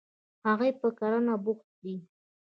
هغوی په کرنه بوخت دي.